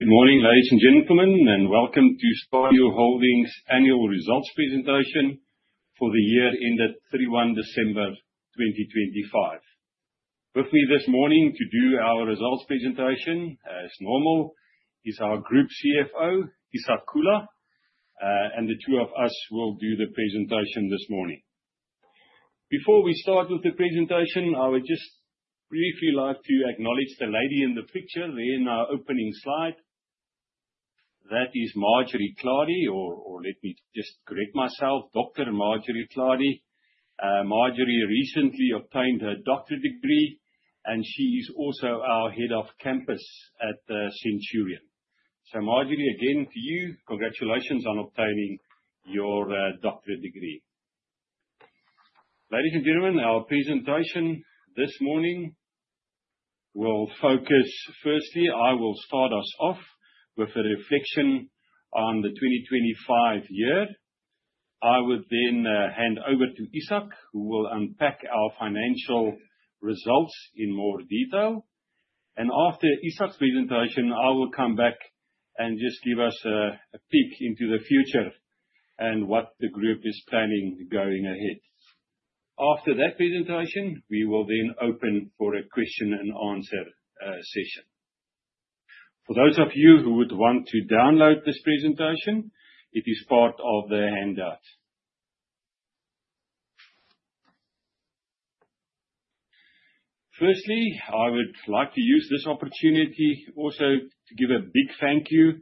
Good morning, ladies and gentlemen, welcome to Stadio Holdings annual results presentation for the year ended 31 December 2025. With me this morning to do our results presentation, as normal, is our group CFO, Ishak Kula, the two of us will do the presentation this morning. Before we start with the presentation, I would just briefly like to acknowledge the lady in the picture there in our opening slide. That is Marjorie Cloete, or let me just correct myself, Dr. Marjorie Cloete. Marjorie recently obtained her doctorate degree, she is also our head of campus at Centurion. Marjorie, again, to you, congratulations on obtaining your doctorate degree. Ladies and gentlemen, our presentation this morning will focus. I will start us off with a reflection on the 2025 year. I would then hand over to Ishak, who will unpack our financial results in more detail. After Ishak's presentation, I will come back and just give us a peek into the future and what the group is planning going ahead. After that presentation, we will then open for a question and answer session. For those of you who would want to download this presentation, it is part of the handout. I would like to use this opportunity also to give a big thank you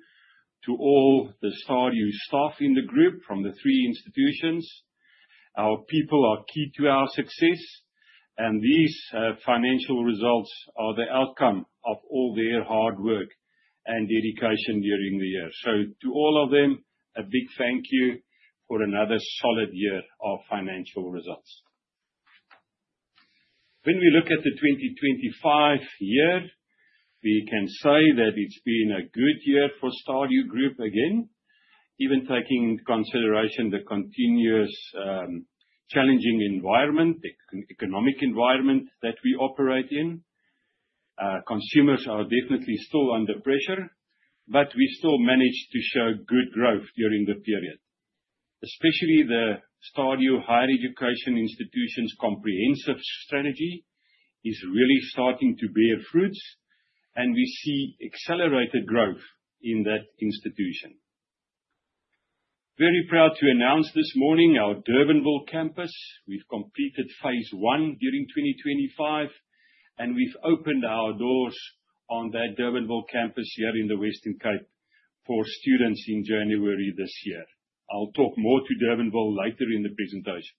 to all the Stadio staff in the group from the three institutions. Our people are key to our success, these financial results are the outcome of all their hard work and dedication during the year. To all of them, a big thank you for another solid year of financial results. When we look at the 2025 year, we can say that it's been a good year for Stadio Group again, even taking into consideration the continuous challenging environment, economic environment that we operate in. Consumers are definitely still under pressure, we still managed to show good growth during the period. Especially the Stadio Higher Education Institution's comprehensive strategy is really starting to bear fruits, we see accelerated growth in that institution. Very proud to announce this morning our Durbanville Campus. We've completed phase one during 2025, we've opened our doors on that Durbanville campus here in the Western Cape for students in January this year. I'll talk more to Durbanville later in the presentation.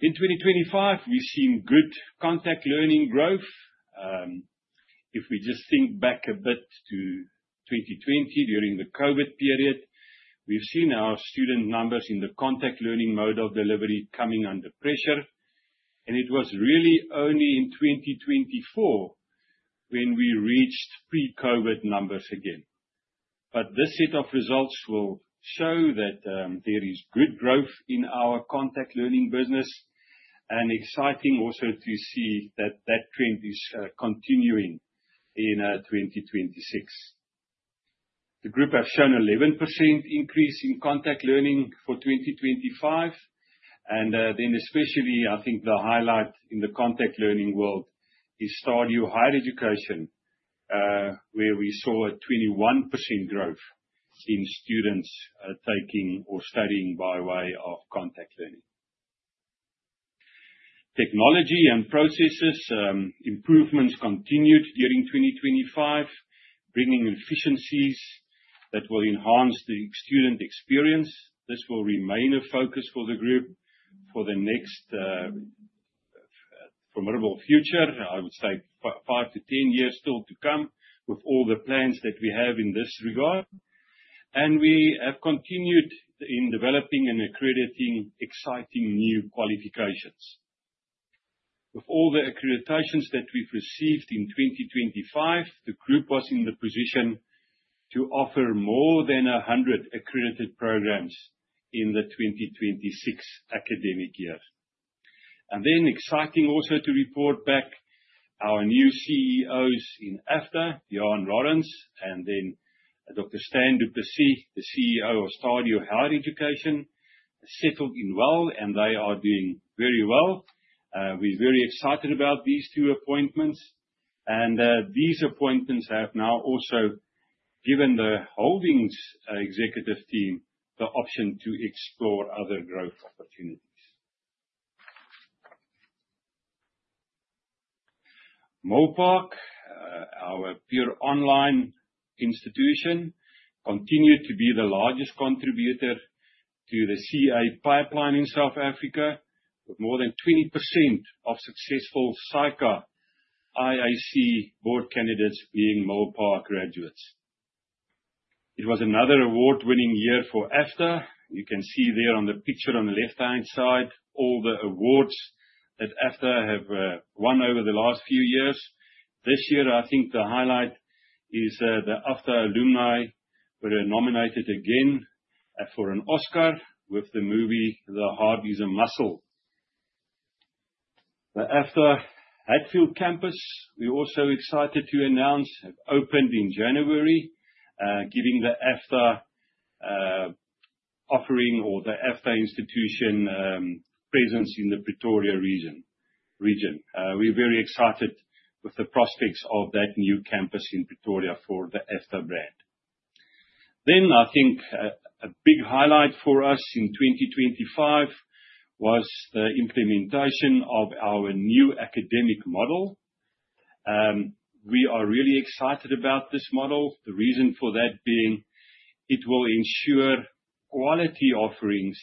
In 2025, we've seen good contact learning growth. If we just think back a bit to 2020 during the COVID period, we've seen our student numbers in the contact learning mode of delivery coming under pressure. This set of results will show that there is good growth in our contact learning business and exciting also to see that that trend is continuing in 2026. The group has shown 11% increase in contact learning for 2025. Then especially, I think the highlight in the contact learning world is Stadio Higher Education, where we saw a 21% growth in students taking or studying by way of contact learning. Technology and processes improvements continued during 2025, bringing efficiencies that will enhance the student experience. This will remain a focus for the group for the next foreseeable future. I would say 5-10 years still to come with all the plans that we have in this regard. We have continued in developing and accrediting exciting new qualifications. With all the accreditations that we've received in 2025, the group was in the position to offer more than 100 accredited programs in the 2026 academic year. Exciting also to report back our new CEOs in AFDA, Diaan Lawrenson, and Dr. Stan du Plessis, the CEO of Stadio Higher Education, settled in well, and they are doing very well. We're very excited about these two appointments. These appointments have now also given the Holdings executive team the option to explore other growth opportunities. Milpark, our pure online institution, continued to be the largest contributor to the CA pipeline in South Africa, with more than 20% of successful SAICA IAC board candidates being Milpark graduates. It was another award-winning year for AFDA. You can see there on the picture on the left-hand side all the awards that AFDA have won over the last few years. This year, I think the highlight is the AFDA alumni were nominated again for an Oscar with the movie, The Heart is a Muscle. The AFDA Hatfield campus, we're also excited to announce, have opened in January, giving the AFDA offering or the AFDA institution presence in the Pretoria region. We're very excited with the prospects of that new campus in Pretoria for the AFDA brand. I think a big highlight for us in 2025 was the implementation of our new academic model. We are really excited about this model. The reason for that being, it will ensure quality offerings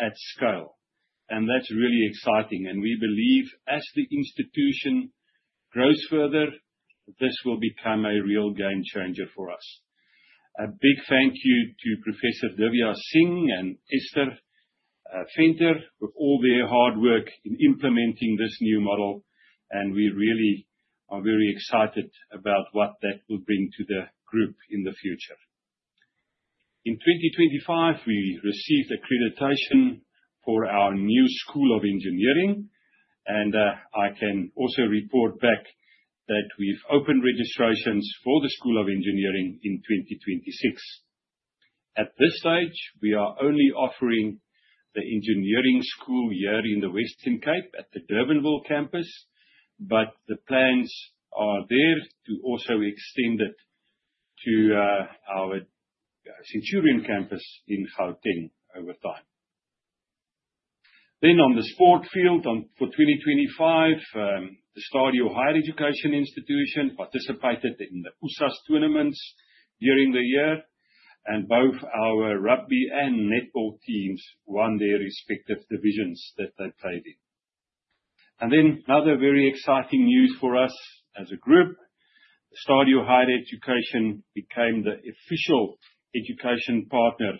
at scale, and that's really exciting. We believe as the institution grows further, this will become a real game changer for us. A big thank you to Professor Divya Singh and Esther Venter for all their hard work in implementing this new model, and we really are very excited about what that will bring to the group in the future. In 2025, we received accreditation for our new School of Engineering. I can also report back that we've opened registrations for the School of Engineering in 2026. At this stage, we are only offering the engineering school here in the Western Cape at the Durbanville campus, but the plans are there to also extend it to our Centurion campus in Gauteng over time. On the sport field for 2025, the Stadio Higher Education institution participated in the USSA tournaments during the year, and both our rugby and netball teams won their respective divisions that they played in. Other very exciting news for us as a group, Stadio Higher Education became the official education partner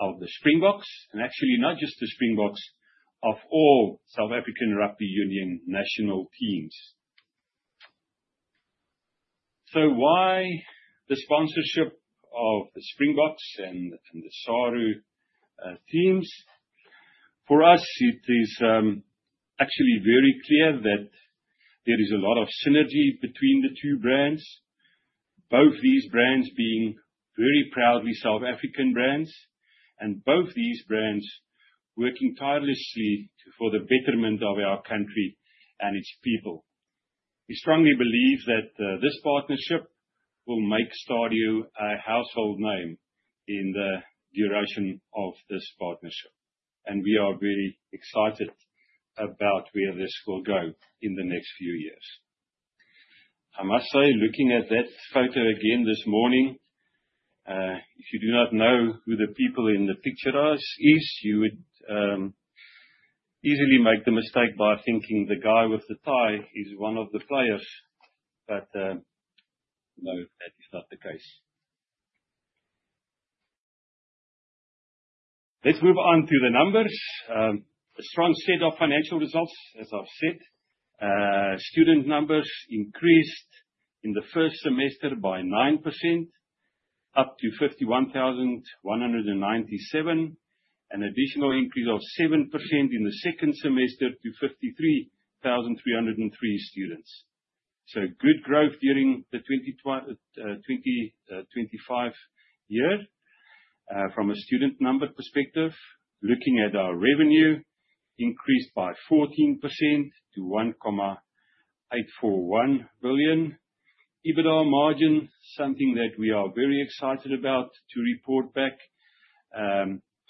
of the Springboks, and actually not just the Springboks, of all South African Rugby Union national teams. Why the sponsorship of the Springboks and the SARU teams? For us, it is actually very clear that there is a lot of synergy between the two brands, both these brands being very proudly South African brands, and both these brands working tirelessly for the betterment of our country and its people. We strongly believe that this partnership will make Stadio a household name in the duration of this partnership. We are very excited about where this will go in the next few years. I must say, looking at that photo again this morning, if you do not know who the people in the picture are, you would easily make the mistake by thinking the guy with the tie is one of the players. No, that is not the case. Let's move on to the numbers. A strong set of financial results, as I've said. Student numbers increased in the first semester by 9% up to 51,197. An additional increase of 7% in the second semester to 53,303 students. Good growth during the 2025 year. From a student number perspective, looking at our revenue increased by 14% to 1.841 billion. EBITDA margin, something that we are very excited about to report back.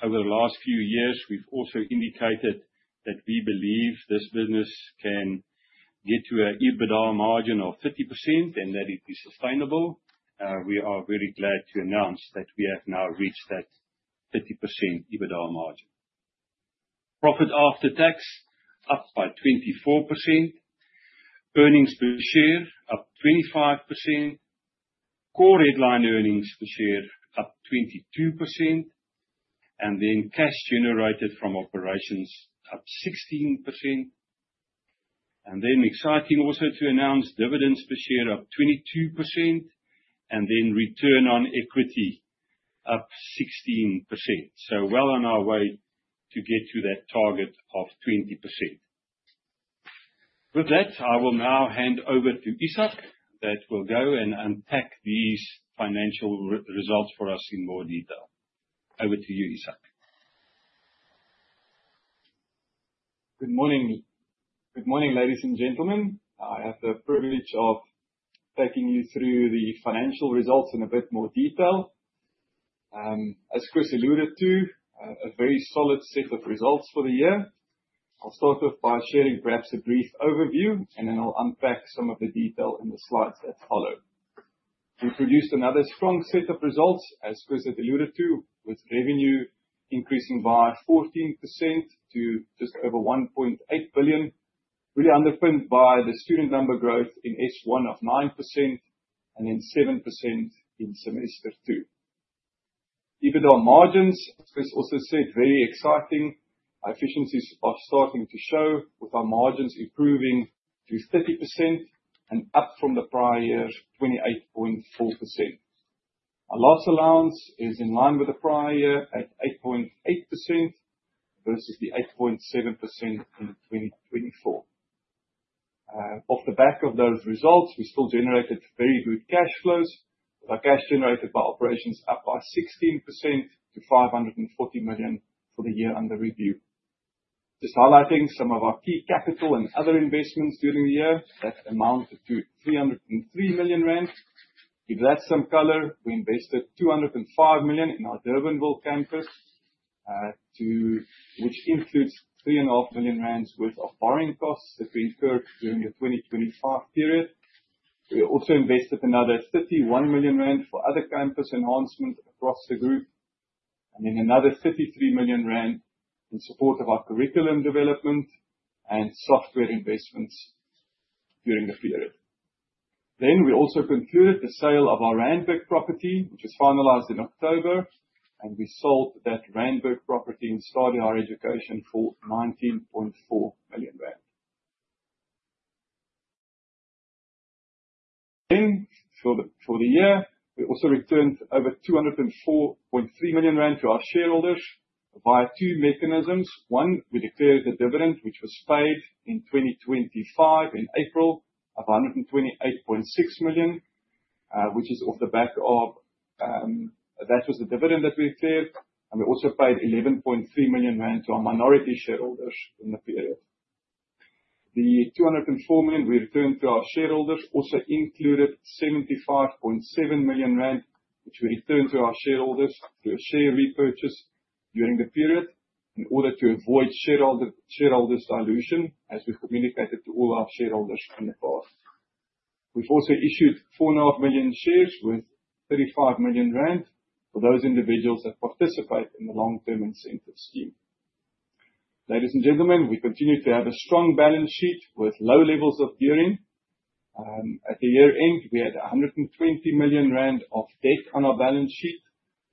Over the last few years, we've also indicated that we believe this business can get to an EBITDA margin of 30% and that it is sustainable. We are very glad to announce that we have now reached that 30% EBITDA margin. Profit after tax up by 24%. Earnings per share up 25%. Core headline earnings per share up 22%. Cash generated from operations up 16%. Exciting also to announce dividends per share up 22%. Return on equity up 16%. Well on our way to get to that target of 20%. With that, I will now hand over to Ishak, who will go and unpack these financial results for us in more detail. Over to you, Ishak. Good morning. Good morning, ladies and gentlemen. I have the privilege of taking you through the financial results in a bit more detail. As Chris alluded to, a very solid set of results for the year. I'll start off by sharing perhaps a brief overview, and then I'll unpack some of the detail in the slides that follow. We produced another strong set of results, as Chris had alluded to, with revenue increasing by 14% to just over 1.8 billion. Really underpinned by the student number growth in S1 of 9% and then 7% in semester two. EBITDA margins, as Chris also said, very exciting. Our efficiencies are starting to show with our margins improving to 30% and up from the prior year, 28.4%. Our loss allowance is in line with the prior year at 8.8% versus the 8.7% in 2024. Off the back of those results, we still generated very good cash flows. Our cash generated by operations up by 16% to 540 million for the year under review. Just highlighting some of our key capital and other investments during the year that amounted to 303 million rand. To give that some color, we invested 205 million in our Durbanville campus, which includes three and a half million ZAR worth of borrowing costs that we incurred during the 2025 period. We also invested another 31 million rand for other campus enhancements across the group, another 33 million rand in support of our curriculum development and software investments during the period. We also concluded the sale of our Randburg property, which was finalized in October, and we sold that Randburg property in Stadio Higher Education for ZAR 19.4 million. For the year, we also returned over 204.3 million rand to our shareholders via two mechanisms. One, we declared a dividend, which was paid in 2025 in April of 128.6 million, which is off the back of That was the dividend that we declared, and we also paid 11.3 million rand to our minority shareholders in the period. The 204 million we returned to our shareholders also included 75.7 million rand, which we returned to our shareholders through a share repurchase during the period in order to avoid shareholder dilution, as we've communicated to all our shareholders in the past. We've also issued 4.5 million shares worth 35 million rand for those individuals that participate in the long-term incentive scheme. Ladies and gentlemen, we continue to have a strong balance sheet with low levels of gearing. At the year-end, we had 120 million rand of debt on our balance sheet.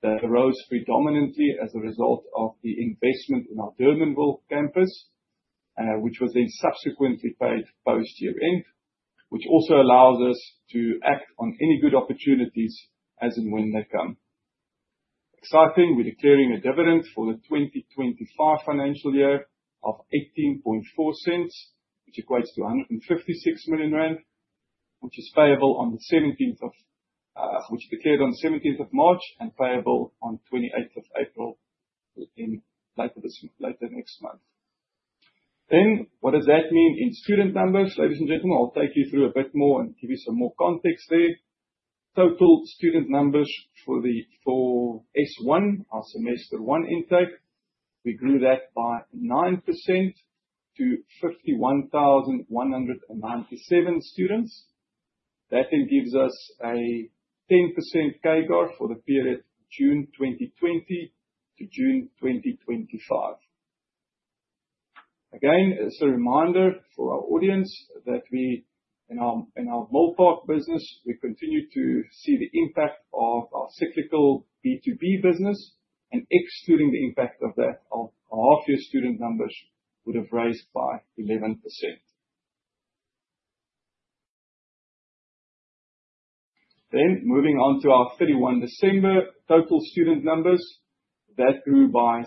That arose predominantly as a result of the investment in our Durbanville campus, which was subsequently paid post year-end, which also allows us to act on any good opportunities as and when they come. Exciting, we're declaring a dividend for the 2025 financial year of 0.184, which equates to 156 million rand, which is declared on the 17th of March and payable on 28th April, within later next month. What does that mean in student numbers? Ladies and gentlemen, I'll take you through a bit more and give you some more context there. Total student numbers for S1, our Semester 1 intake, we grew that by 9% to 51,197 students. That gives us a 10% CAGR for the period June 2020 to June 2025. Again, as a reminder for our audience, that in our Molteno business, we continue to see the impact of our cyclical B2B business, excluding the impact of that, our half-year student numbers would have risen by 11%. Moving on to our 31 December total student numbers. That grew by 7%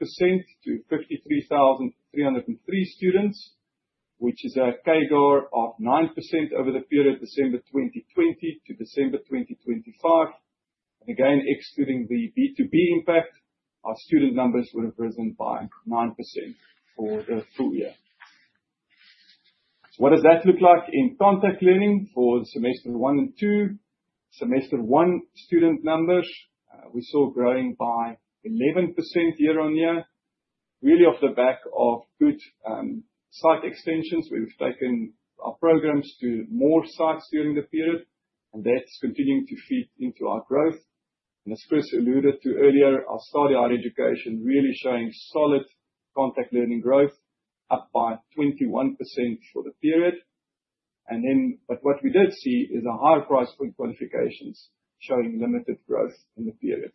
to 53,303 students, which is a CAGR of 9% over the period December 2020 to December 2025. Excluding the B2B impact, our student numbers would have risen by 9% for the full year. What does that look like in contact learning for Semester 1 and 2? Semester 1 student numbers, we saw growing by 11% year-on-year. Really off the back of good site extensions. We've taken our programs to more sites during the period, and that's continuing to feed into our growth. As Chris alluded to earlier, our Stadio Higher Education really showing solid contact learning growth up by 21% for the period. What we did see is our higher price point qualifications showing limited growth in the period.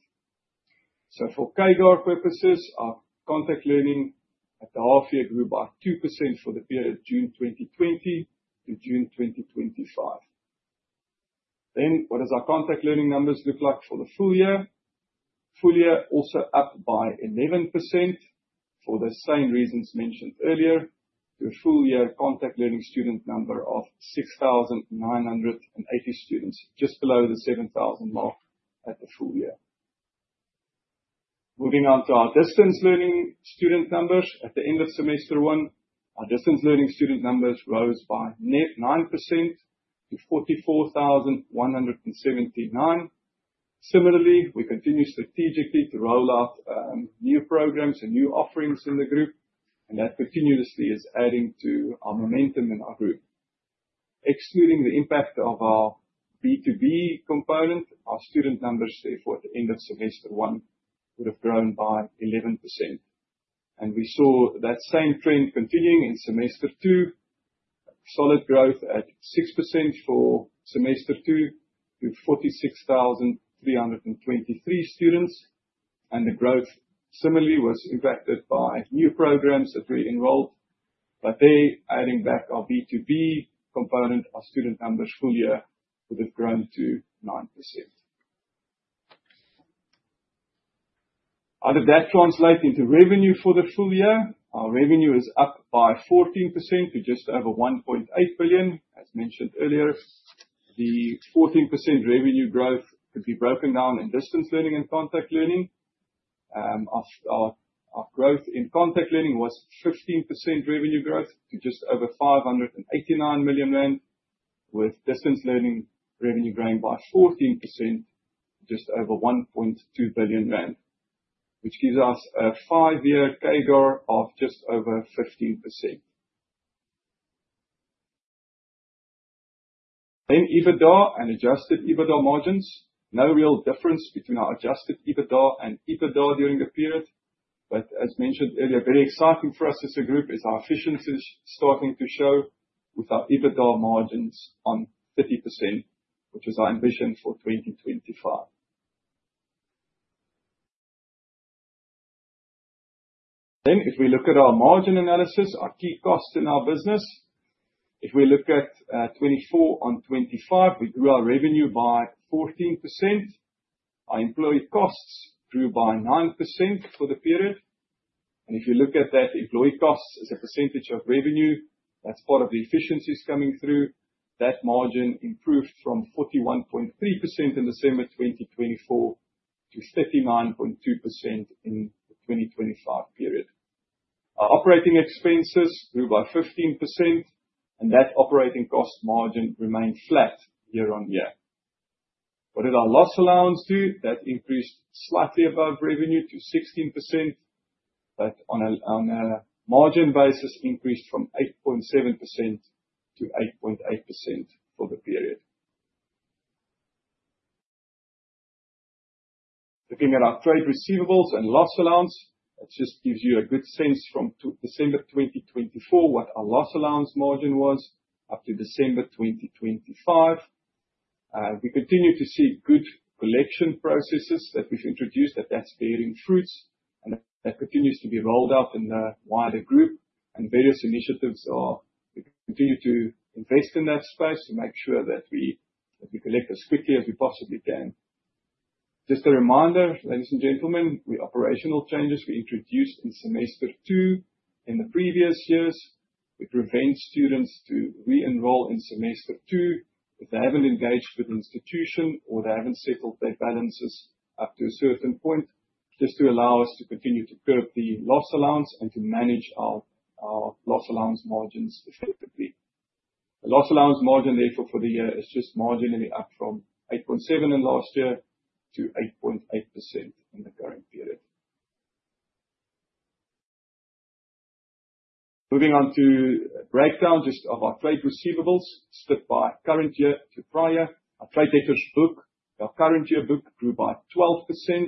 For CAGR purposes, our contact learning at the half year grew by 2% for the period June 2020 to June 2025. What does our contact learning numbers look like for the full year? Full year also up by 11% for the same reasons mentioned earlier. Your full-year contact learning student number of 6,980 students, just below the 7,000 mark at the full year. Moving on to our distance learning student numbers. At the end of Semester 1, our distance learning student numbers rose by net 9% to 44,179. Similarly, we continue strategically to roll out new programs and new offerings in the group, that continuously is adding to our momentum in our group. Excluding the impact of our B2B component, our student numbers there for the end of semester one would have grown by 11%. We saw that same trend continuing in semester two. Solid growth at 6% for semester two to 46,323 students, the growth similarly was impacted by new programs that we enrolled. There, adding back our B2B component, our student numbers full year would have grown to 9%. How did that translate into revenue for the full year? Our revenue is up by 14% to just over 1.8 billion. As mentioned earlier, the 14% revenue growth could be broken down in distance learning and contact learning. Our growth in contact learning was 15% revenue growth to just over 589 million rand, with distance learning revenue growing by 14%, just over 1.2 billion rand. This gives us a 5-year CAGR of just over 15%. EBITDA and adjusted EBITDA margins. No real difference between our adjusted EBITDA and EBITDA during the period. As mentioned earlier, very exciting for us as a group is our efficiency is starting to show with our EBITDA margins on 30%, which is our envision for 2025. If we look at our margin analysis, our key costs in our business. If we look at 2024 on 2025, we grew our revenue by 14%. Our employee costs grew by 9% for the period. If you look at that employee cost as a percentage of revenue, that's part of the efficiencies coming through. That margin improved from 41.3% in December 2024 to 39.2% in the 2025 period. Our operating expenses grew by 15%, and that operating cost margin remained flat year-over-year. What did our loss allowance do? That increased slightly above revenue to 16%, but on a margin basis increased from 8.7% to 8.8% for the period. Looking at our trade receivables and loss allowance. It just gives you a good sense from December 2024 what our loss allowance margin was up to December 2025. We continue to see good collection processes that we've introduced, that's bearing fruit and that continues to be rolled out in the wider group. Various initiatives are. We continue to invest in that space to make sure that we collect as quickly as we possibly can. Just a reminder, ladies and gentlemen, the operational changes we introduced in semester two in the previous years. It prevents students to re-enroll in semester two if they haven't engaged with the institution or they haven't settled their balances up to a certain point, just to allow us to continue to curb the loss allowance and to manage our loss allowance margins effectively. The loss allowance margin, therefore, for the year is just marginally up from 8.7% in last year to 8.8% in the current period. Moving on to a breakdown just of our trade receivables split by current year to prior. Our trade debtors book. Our current year book grew by 12%,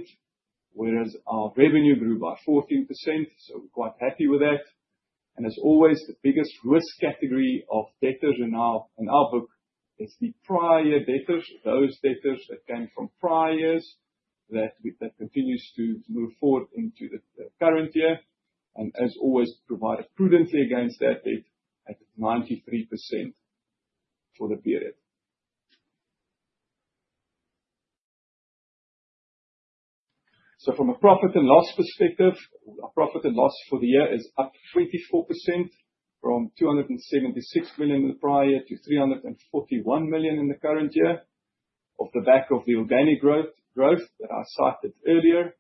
whereas our revenue grew by 14%. We're quite happy with that. As always, the biggest risk category of debtors in our book is the prior debtors. Those debtors that came from prior years that continues to move forward into the current year. As always, provided prudently against that debt at 93% for the period. From a profit and loss perspective, our profit and loss for the year is up 24%, from 276 million in the prior year to 341 million in the current year, off the back of the organic growth that I cited earlier.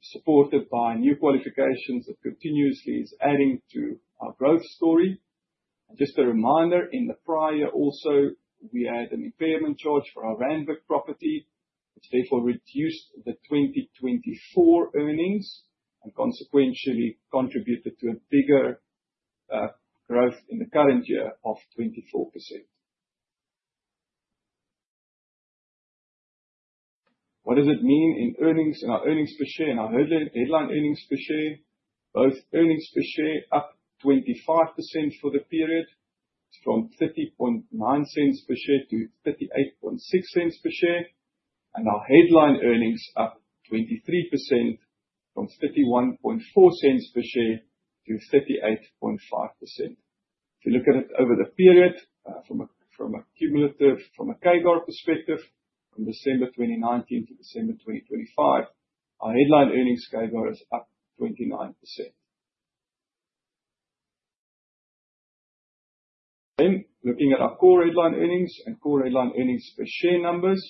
Supported by new qualifications that continuously is adding to our growth story. Just a reminder, in the prior also, we had an impairment charge for our Randburg property, which therefore reduced the 2024 earnings and consequentially contributed to a bigger growth in the current year of 24%. What does it mean in earnings and our earnings per share and our headline earnings per share? Both earnings per share up 25% for the period, from 0.309 per share to 0.386 per share, and our headline earnings up 23%, from 0.314 per share to 0.385 per share. If you look at it over the period from a cumulative, from a CAGR perspective, from December 2019 to December 2025, our headline earnings CAGR is up 29%. Looking at our core headline earnings and core headline earnings per share numbers.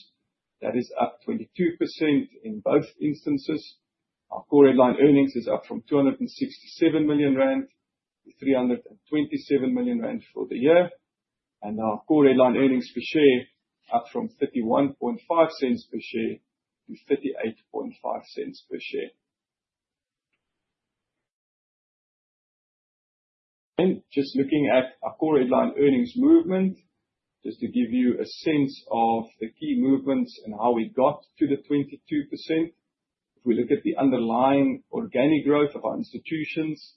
That is up 22% in both instances. Our core headline earnings is up from 267 million rand to 327 million rand for the year. Our core headline earnings per share up from 0.315 per share to 0.385 per share. Just looking at our core headline earnings movement, just to give you a sense of the key movements and how we got to the 22%. If we look at the underlying organic growth of our institutions,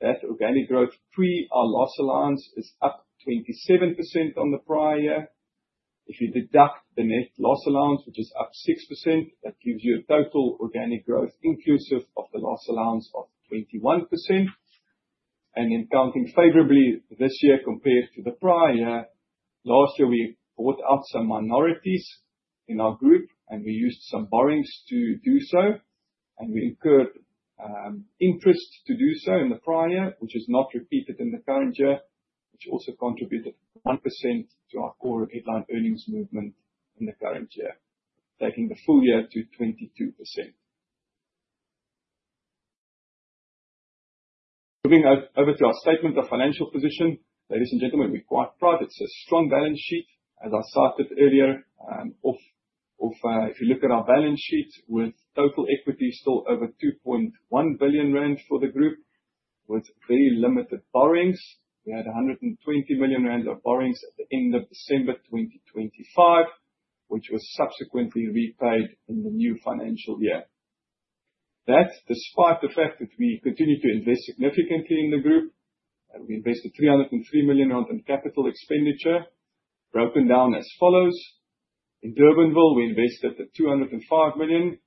that organic growth pre our loss allowance is up 27% on the prior year. If you deduct the net loss allowance, which is up 6%, that gives you a total organic growth inclusive of the loss allowance of 21%. Counting favorably this year compared to the prior year, last year, we bought out some minorities in our group, and we used some borrowings to do so, and we incurred interest to do so in the prior year, which is not repeated in the current year, which also contributed 1% to our core headline earnings movement in the current year, taking the full year to 22%. Moving over to our statement of financial position. Ladies and gentlemen, we're quite proud. It's a strong balance sheet, as I stated earlier. If you look at our balance sheet with total equity still over 2.1 billion rand for the group with very limited borrowings. We had 120 million rand of borrowings at the end of December 2025, which was subsequently repaid in the new financial year. That's despite the fact that we continue to invest significantly in the group. We invested 303 million rand in capital expenditure, broken down as follows. In Durbanville, we invested 205 million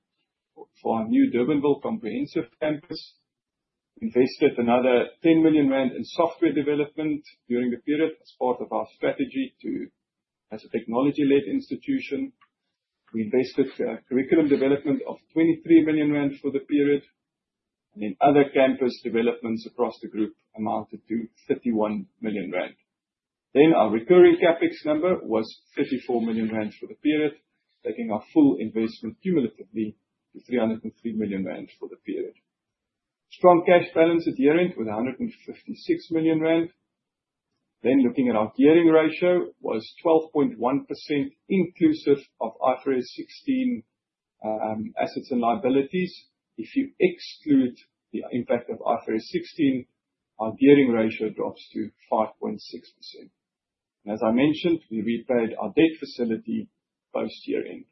for our new Durbanville Comprehensive Campus. Invested another 10 million rand in software development during the period as part of our strategy as a technology-led institution. We invested curriculum development of 23 million rand for the period. Other campus developments across the group amounted to 31 million rand. Our recurring CapEx number was 34 million rand for the period, taking our full investment cumulatively to 303 million rand for the period. Strong cash balance at year-end with 156 million rand. Looking at our gearing ratio was 12.1% inclusive of IFRS 16 assets and liabilities. If you exclude the impact of IFRS 16, our gearing ratio drops to 5.6%. As I mentioned, we repaid our debt facility post year-end.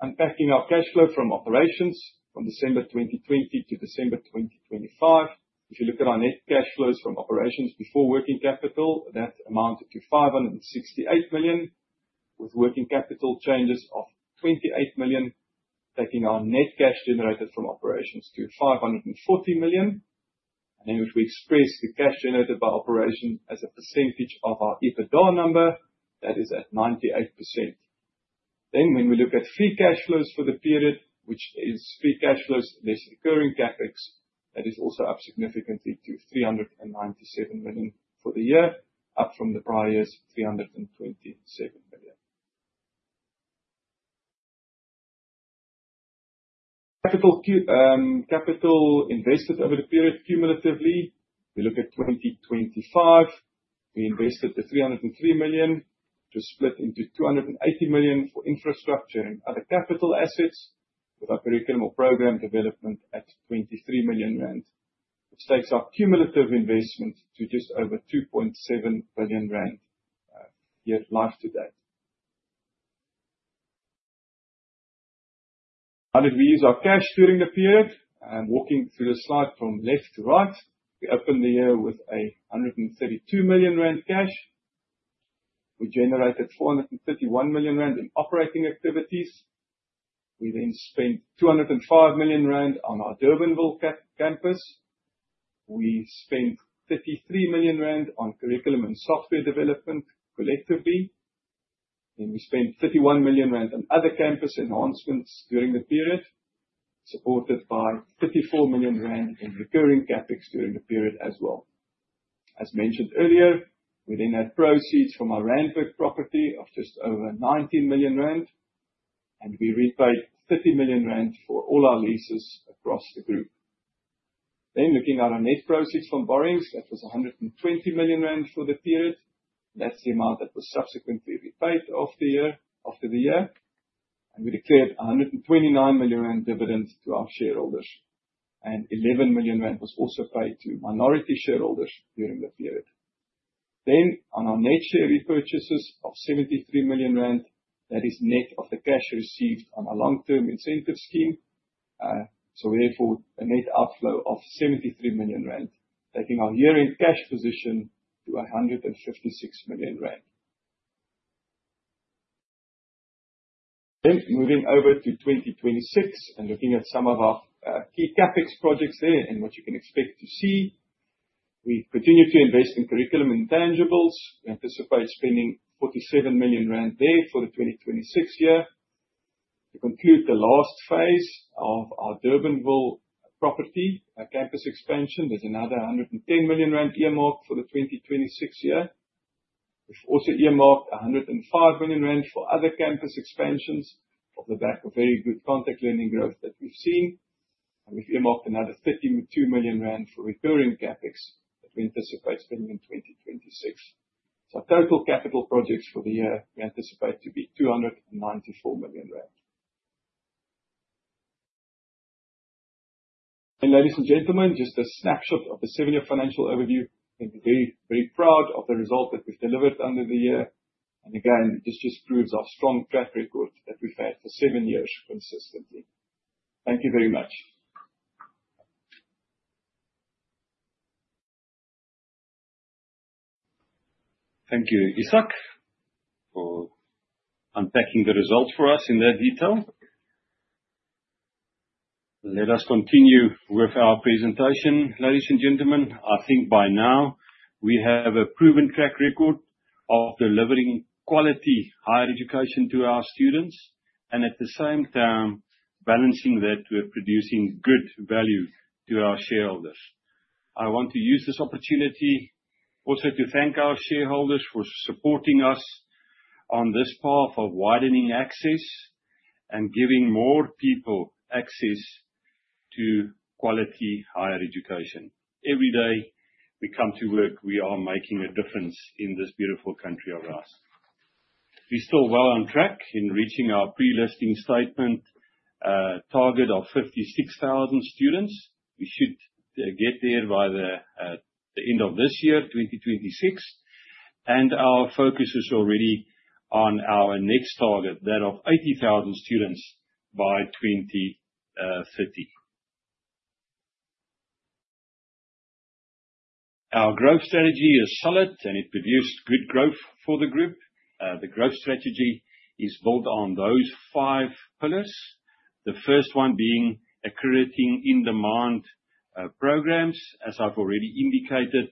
Unpacking our cash flow from operations from December 2020 to December 2025. If you look at our net cash flows from operations before working capital, that amounted to 568 million, with working capital changes of 28 million, taking our net cash generated from operations to 540 million. If we express the cash generated by operation as a percentage of our EBITDA number, that is at 98%. When we look at free cash flows for the period, which is free cash flows less recurring CapEx, that is also up significantly to 397 million for the year, up from the prior year's 327 million. Capital invested over the period cumulatively. We look at 2025. We invested 303 million, which was split into 280 million for infrastructure and other capital assets, with our curriculum or program development at 23 million rand. This takes our cumulative investment to just over 2.7 billion rand year life to date. How did we use our cash during the period? Walking through the slide from left to right. We opened the year with 132 million rand cash. We generated 431 million rand in operating activities. We spent 205 million rand on our Durbanville Campus. We spent 33 million rand on curriculum and software development collectively. We spent 31 million rand on other campus enhancements during the period, supported by 34 million rand in recurring CapEx during the period as well. As mentioned earlier, we had proceeds from our Randburg property of just over 19 million rand, and we repaid 30 million rand for all our leases across the group. Looking at our net proceeds from borrowings, that was 120 million rand for the period. That's the amount that was subsequently repaid after the year. We declared 129 million rand dividend to our shareholders, and 11 million rand was also paid to minority shareholders during the period. On our net share repurchases of 73 million rand, that is net of the cash received on our long-term incentive scheme. Therefore, a net outflow of 73 million rand, taking our year-end cash position to 156 million rand. Moving over to 2026 and looking at some of our key CapEx projects there and what you can expect to see. We continue to invest in curriculum intangibles. We anticipate spending 47 million rand there for the 2026 year. To conclude the last phase of our Durbanville property, our campus expansion, there's another 110 million rand earmarked for the 2026 year. We've also earmarked 105 million rand for other campus expansions off the back of very good contact learning growth that we've seen. We've earmarked another 32 million rand for recurring CapEx that we anticipate spending in 2026. So total capital projects for the year we anticipate to be 294 million rand. Ladies and gentlemen, just a snapshot of the seven-year financial overview. We're very, very proud of the result that we've delivered under the year. This just proves our strong track record that we've had for seven years consistently. Thank you very much. Thank you, Ishak, for unpacking the results for us in that detail. Let us continue with our presentation, ladies and gentlemen. I think by now we have a proven track record of delivering quality higher education to our students, and at the same time balancing that with producing good value to our shareholders. I want to use this opportunity also to thank our shareholders for supporting us on this path of widening access and giving more people access to quality higher education. Every day we come to work, we are making a difference in this beautiful country of ours. We're still well on track in reaching our pre-listing statement target of 56,000 students. We should get there by the end of this year, 2026. Our focus is already on our next target, that of 80,000 students by 2030. Our growth strategy is solid, it produced good growth for the group. The growth strategy is built on those five pillars. The first one being accrediting in-demand programs. As I've already indicated,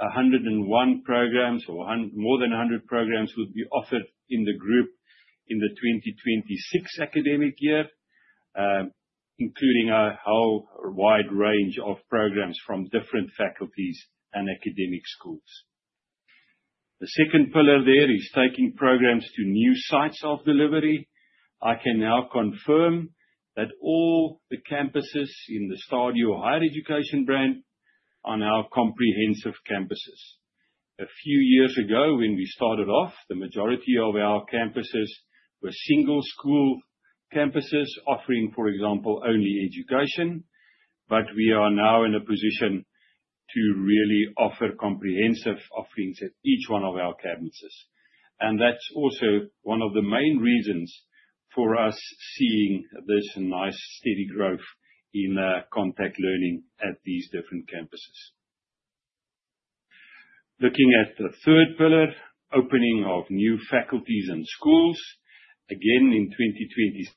101 programs or more than 100 programs will be offered in the group in the 2026 academic year, including a whole wide range of programs from different faculties and academic schools. The second pillar there is taking programs to new sites of delivery. I can now confirm that all the campuses in the STADIO Higher Education brand are now comprehensive campuses. A few years ago, when we started off, the majority of our campuses were single-school campuses offering, for example, only education, but we are now in a position to really offer comprehensive offerings at each one of our campuses. That's also one of the main reasons for us seeing this nice steady growth in contact learning at these different campuses. Looking at the third pillar, opening of new faculties and schools. Again, in 2023.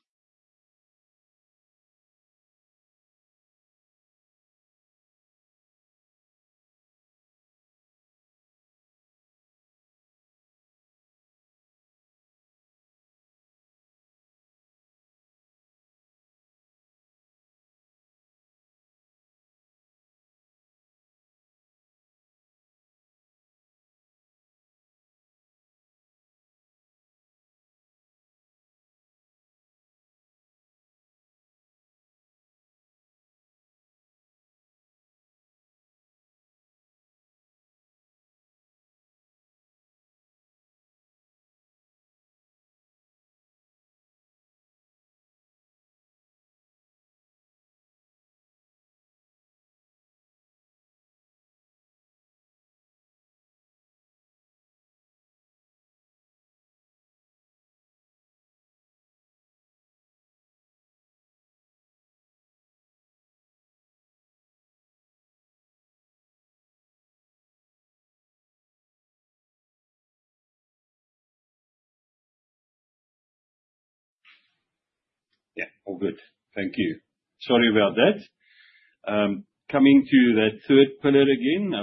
Yeah, all good. Thank you. Sorry about that. Coming to that third pillar again,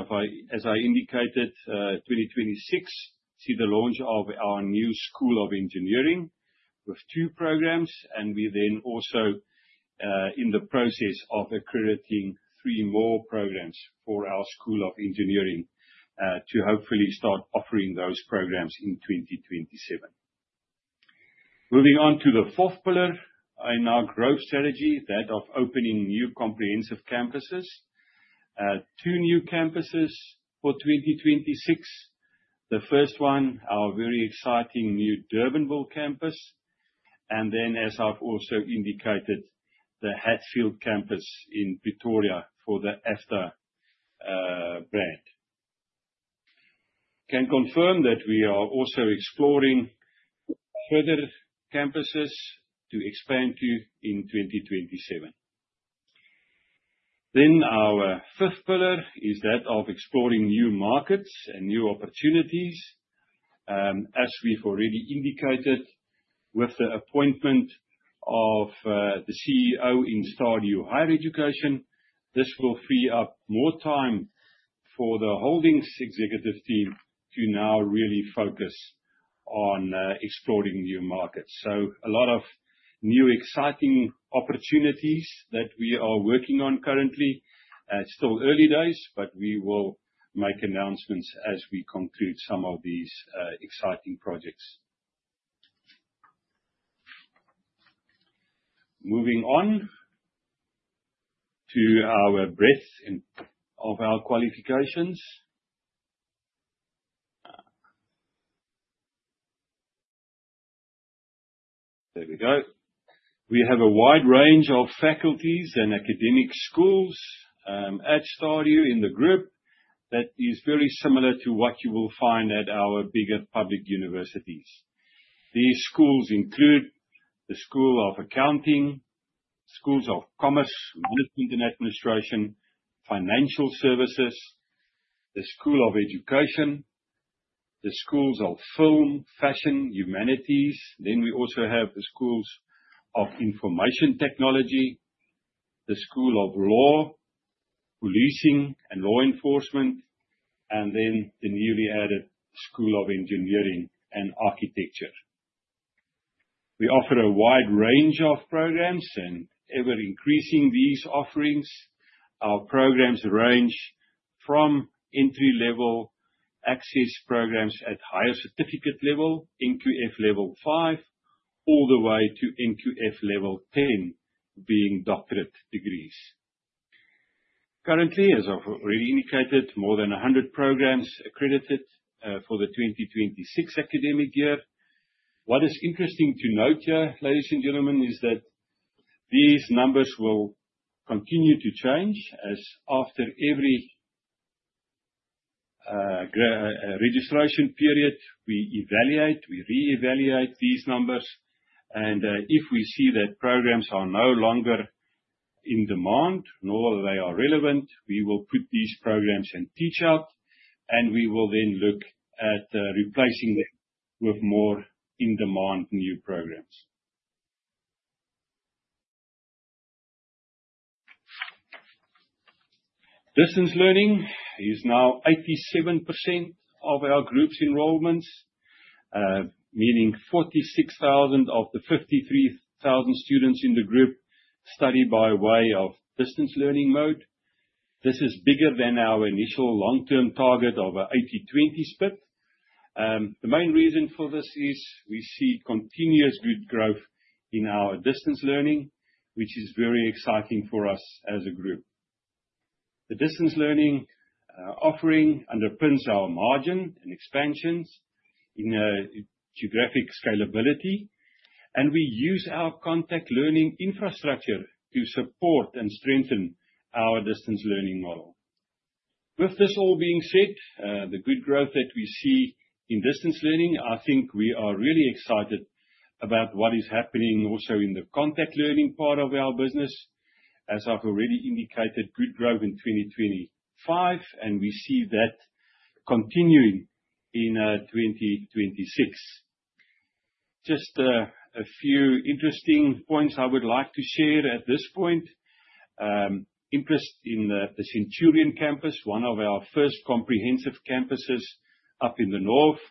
as I indicated, 2026 see the launch of our new School of Engineering with two programs, we're then also in the process of accrediting three more programs for our School of Engineering to hopefully start offering those programs in 2027. Moving on to the fourth pillar in our growth strategy, that of opening new comprehensive campuses. Two new campuses for 2026. The first one, our very exciting new Durbanville campus. Then, as I've also indicated, the Hatfield campus in Pretoria for the AFDA brand. Can confirm that we are also exploring further campuses to expand to in 2027. Our fifth pillar is that of exploring new markets and new opportunities. As we've already indicated with the appointment of the CEO in Stadio Higher Education, this will free up more time for the holdings executive team to now really focus on exploring new markets. A lot of new exciting opportunities that we are working on currently. It's still early days, but we will make announcements as we conclude some of these exciting projects. Moving on to our breadth of our qualifications. There we go. We have a wide range of faculties and academic schools at Stadio in the group. That is very similar to what you will find at our bigger public universities. These schools include the School of Accounting, Schools of Commerce, Management and Administration, Financial Services, the School of Education, the Schools of Film, Fashion, Humanities. We also have the Schools of Information Technology, the School of Law, Policing and Law Enforcement, and the newly added School of Engineering & Architecture. We offer a wide range of programs and ever increasing these offerings. Our programs range from entry level access programs at higher certificate level, NQF level 5, all the way to NQF level 10, being doctorate degrees. Currently, as I've already indicated, more than 100 programs accredited for the 2026 academic year. What is interesting to note here, ladies and gentlemen, is that these numbers will continue to change as after every registration period, we reevaluate these numbers, and if we see that programs are no longer in demand nor they are relevant, we will put these programs in teach out, and we will then look at replacing them with more in-demand new programs. Distance learning is now 87% of our group's enrollments, meaning 46,000 of the 53,000 students in the group study by way of distance learning mode. This is bigger than our initial long-term target of a 80/20 split. The main reason for this is we see continuous good growth in our distance learning, which is very exciting for us as a group. The distance learning offering underpins our margin and expansions in a geographic scalability, and we use our contact learning infrastructure to support and strengthen our distance learning model. With this all being said, the good growth that we see in distance learning, I think we are really excited about what is happening also in the contact learning part of our business. As I've already indicated, good growth in 2025, and we see that continuing in 2026. Just a few interesting points I would like to share at this point. Interest in the Centurion Campus, one of our first comprehensive campuses up in the north.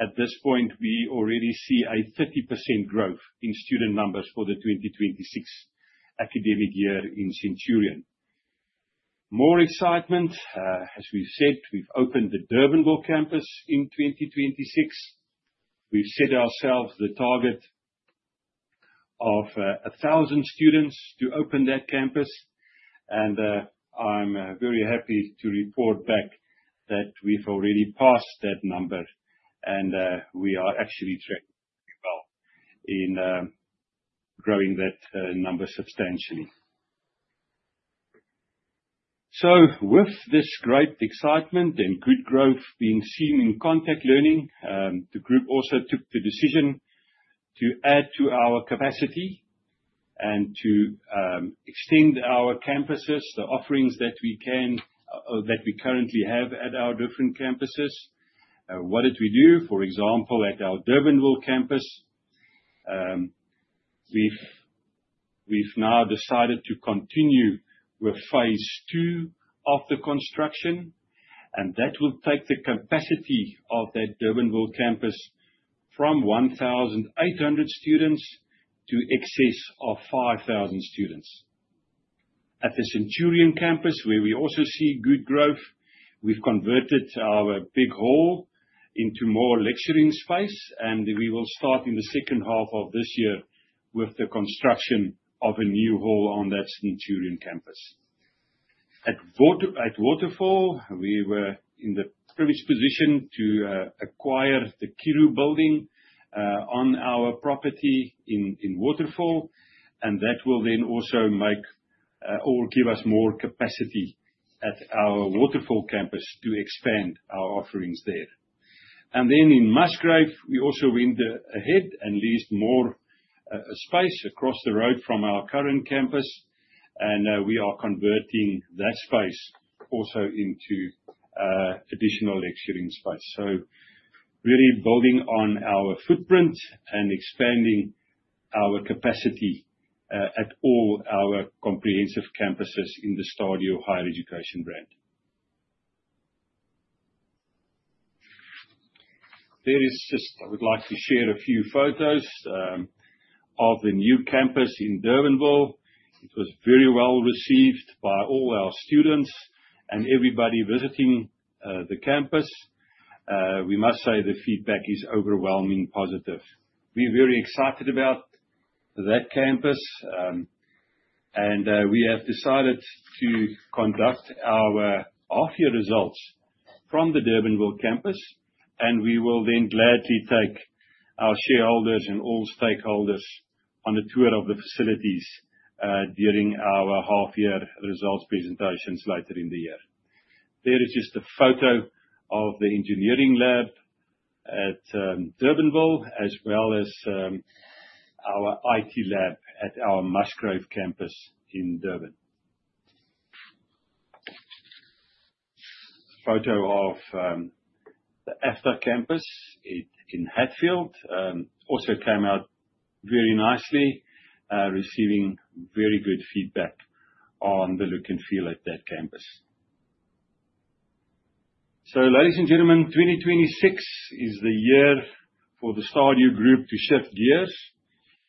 At this point, we already see a 30% growth in student numbers for the 2026 academic year in Centurion. More excitement, as we said, we've opened the Durbanville Campus in 2026. We've set ourselves the target of 1,000 students to open that campus, and I'm very happy to report back that we've already passed that number and we are actually tracking well in growing that number substantially. With this great excitement and good growth being seen in contact learning, the group also took the decision to add to our capacity and to extend our campuses, the offerings that we currently have at our different campuses. What did we do? For example, at our Durbanville campus, we've now decided to continue with phase 2 of the construction, and that will take the capacity of that Durbanville campus from 1,800 students to excess of 5,000 students. At the Centurion campus, where we also see good growth, we've converted our big hall into more lecturing space, and we will start in the second half of this year with the construction of a new hall on that Centurion campus. At Waterfall, we were in the privileged position to acquire the Kiru building on our property in Waterfall, and that will then also make or give us more capacity at our Waterfall campus to expand our offerings there. In Musgrave, we also went ahead and leased more space across the road from our current campus, and we are converting that space also into additional lecturing space. Really building on our footprint and expanding our capacity at all our comprehensive campuses in the Stadio Higher Education brand. I would like to share a few photos of the new campus in Durbanville. It was very well received by all our students and everybody visiting the campus. We must say the feedback is overwhelmingly positive. We're very excited about that campus, and we have decided to conduct our half year results from the Durbanville campus, and we will then gladly take our shareholders and all stakeholders on a tour of the facilities during our half-year results presentations later in the year. There is just a photo of the engineering lab at Durbanville, as well as our IT lab at our Musgrave campus in Durban. Photo of the AFDA Campus in Hatfield. Also came out very nicely, receiving very good feedback on the look and feel at that campus. Ladies and gentlemen, 2026 is the year for the Stadio Group to shift gears.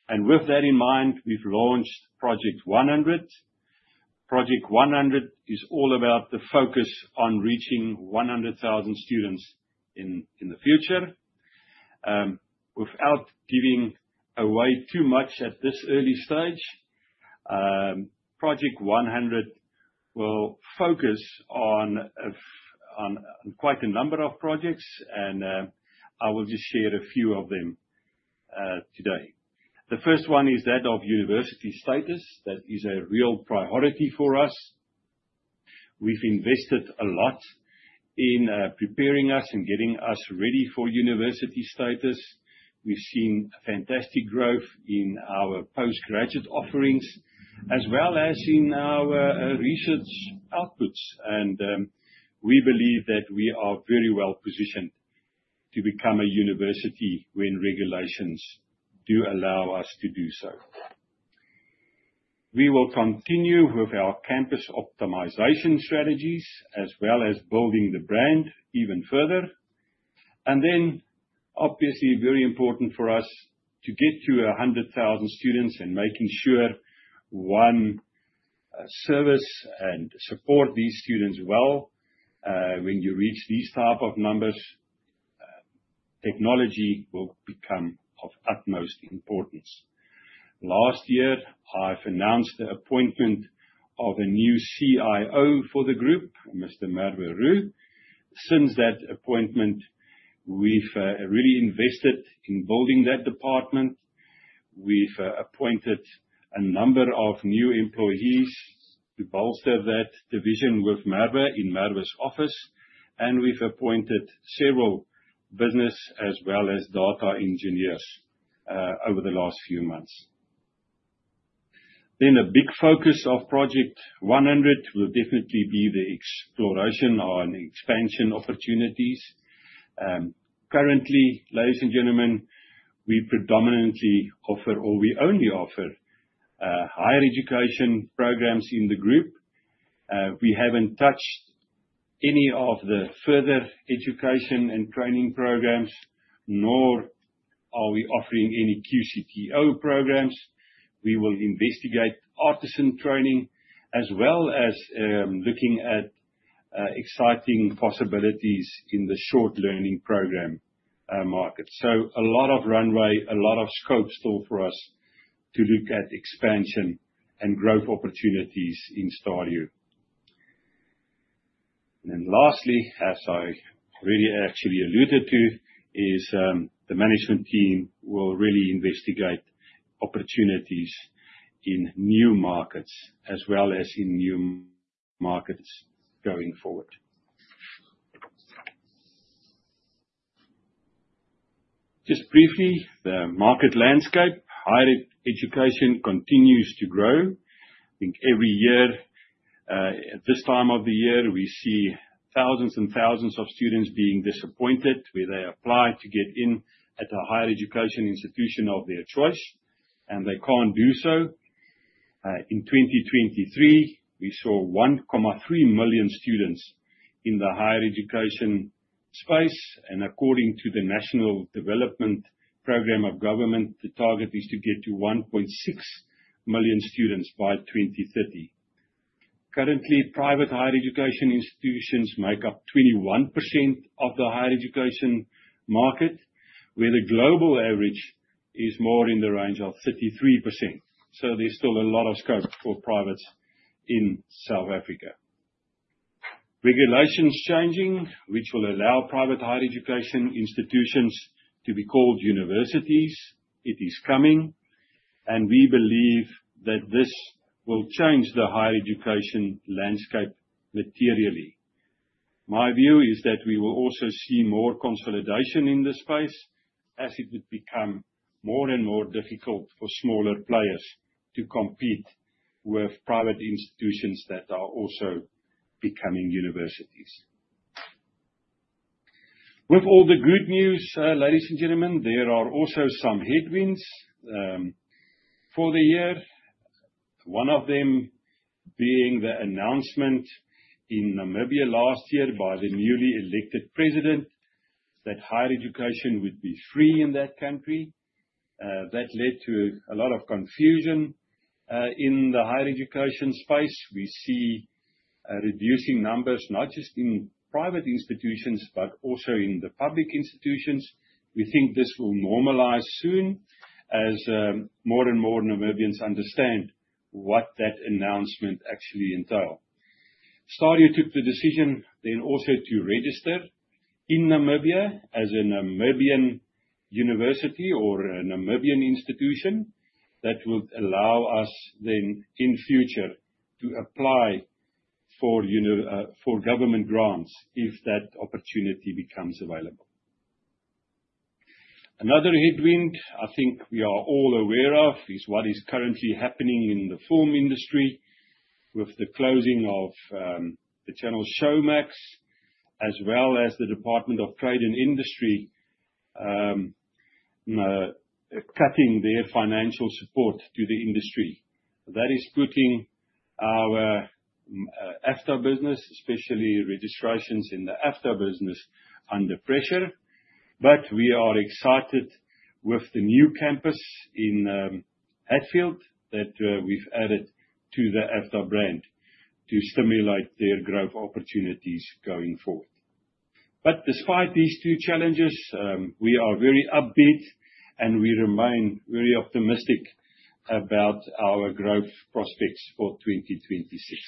With that in mind, we've launched Project 100. Project 100 is all about the focus on reaching 100,000 students in the future. Without giving away too much at this early stage, Project 100 will focus on quite a number of projects, and I will just share a few of them today. The first one is that of university status. That is a real priority for us. We've invested a lot in preparing us and getting us ready for university status. We've seen fantastic growth in our post-graduate offerings as well as in our research outputs. We believe that we are very well-positioned to become a university when regulations do allow us to do so. We will continue with our campus optimization strategies as well as building the brand even further. Obviously very important for us to get to 100,000 students and making sure one, service and support these students well. When you reach these type of numbers, technology will become of utmost importance. Last year, I've announced the appointment of a new CIO for the group, Mr. Merwe Roux. Since that appointment, we've really invested in building that department. We've appointed a number of new employees to bolster that division with Merwe in Merwe's office, and we've appointed several business as well as data engineers over the last few months. A big focus of Project 100 will definitely be the exploration on expansion opportunities. Currently, ladies and gentlemen, we predominantly offer or we only offer higher education programs in the group. We haven't touched any of the further education and training programs, nor are we offering any QCTO programs. We will investigate artisan training as well as looking at exciting possibilities in the short learning program market. A lot of runway, a lot of scope still for us to look at expansion and growth opportunities in Stadio. Lastly, as I really actually alluded to, is the management team will really investigate opportunities in new markets as well as in new markets going forward. Just briefly, the market landscape. Higher education continues to grow. I think every year at this time of the year, we see thousands and thousands of students being disappointed where they apply to get in at a higher education institution of their choice, and they can't do so. In 2023, we saw 1.3 million students in the higher education space and according to the National Development Plan of Government, the target is to get to 1.6 million students by 2030. Currently, private higher education institutions make up 21% of the higher education market, where the global average is more in the range of 33%. There's still a lot of scope for privates in South Africa. Regulations changing, which will allow private higher education institutions to be called universities. It is coming, and we believe that this will change the higher education landscape materially. My view is that we will also see more consolidation in this space as it would become more and more difficult for smaller players to compete with private institutions that are also becoming universities. With all the good news, ladies and gentlemen, there are also some headwinds for the year. One of them being the announcement in Namibia last year by the newly elected president, that higher education would be free in that country. That led to a lot of confusion in the higher education space. We see reducing numbers, not just in private institutions, but also in the public institutions. We think this will normalize soon as more and more Namibians understand what that announcement actually entails. Stadio took the decision then also to register in Namibia as a Namibian university or a Namibian institution that would allow us then in future to apply for government grants if that opportunity becomes available. Another headwind I think we are all aware is what is currently happening in the film industry with the closing of the channel Showmax, as well as the Department of Trade, Industry and Competition cutting their financial support to the industry. That is putting our AFDA business, especially registrations in the AFDA business, under pressure. We are excited with the new campus in Hatfield that we've added to the AFDA brand to stimulate their growth opportunities going forward. Despite these two challenges, we are very upbeat and we remain very optimistic about our growth prospects for 2026.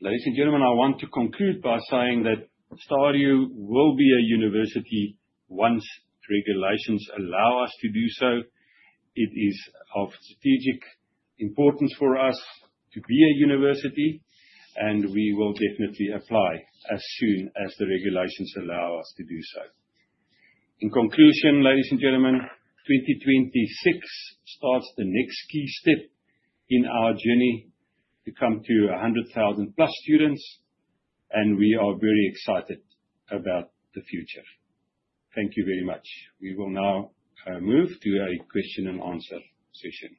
Ladies and gentlemen, I want to conclude by saying that Stadio will be a university once regulations allow us to do so. It is of strategic importance for us to be a university, and we will definitely apply as soon as the regulations allow us to do so. In conclusion, ladies and gentlemen, 2026 starts the next key step in our journey to come to 100,000+ students, and we are very excited about the future. Thank you very much. We will now move to a question and answer session.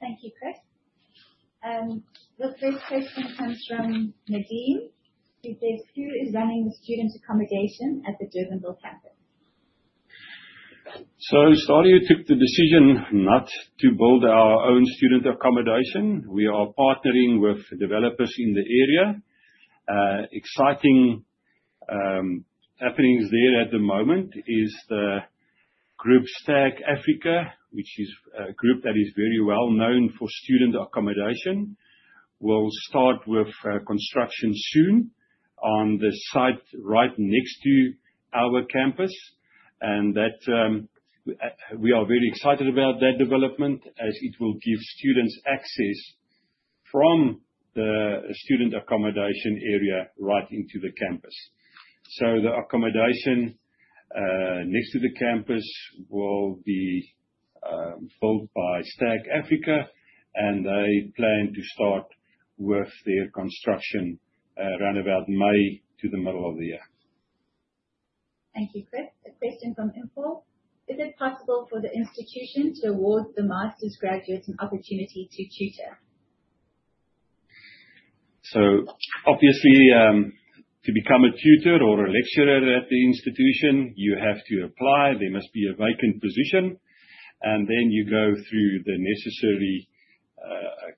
Thank you, Chris. The first question comes from Nadine. It says, "Who is running the student accommodation at the Durbanville campus? Stadio took the decision not to build our own student accommodation. We are partnering with developers in the area. Exciting happenings there at the moment is the group STAG African, which is a group that is very well-known for student accommodation, will start with construction soon on the site right next to our campus. We are very excited about that development as it will give students access from the student accommodation area right into the campus. The accommodation next to the campus will be built by STAG African, and they plan to start with their construction around about May to the middle of the year. Thank you, Chris. A question from Infol. Is it possible for the institution to award the master's graduates an opportunity to tutor? Obviously, to become a tutor or a lecturer at the institution, you have to apply. There must be a vacant position, and then you go through the necessary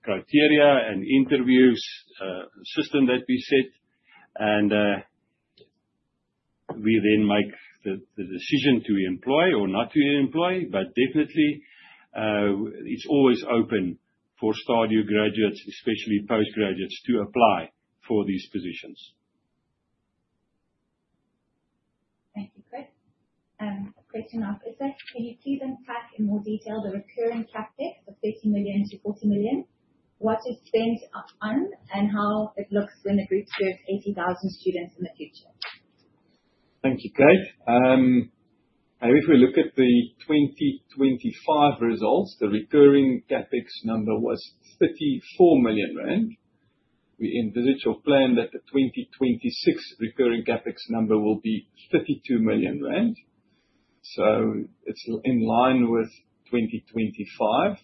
criteria and interviews system that we set. We then make the decision to employ or not to employ. Definitely, it's always open for Stadio graduates, especially postgraduates, to apply for these positions. Thank you, Chris. A question off Ishak. Can you please unpack in more detail the recurring CapEx of ZAR 30 million-ZAR 40 million, what is spent on, and how it looks when the group serves 80,000 students in the future? Thank you, Kate. If we look at the 2025 results, the recurring CapEx number was 34 million rand. It's in line with 2025.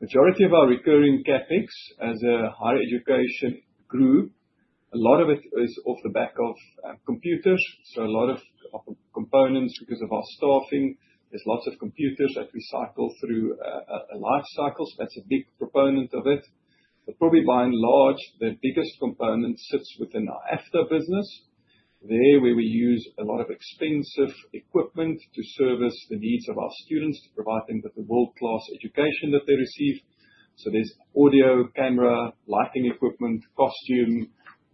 Majority of our recurring CapEx as a higher education group, a lot of it is off the back of computers. A lot of components because of our staffing. There's lots of computers that we cycle through a life cycle. That's a big proponent of it. Probably by and large, the biggest component sits within our AFDA business. There, where we use a lot of expensive equipment to service the needs of our students to provide them with the world-class education that they receive. There's audio, camera, lighting equipment, costume.